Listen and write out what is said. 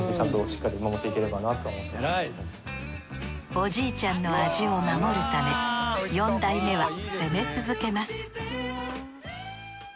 おじいちゃんの味を守るため四代目は攻め続けます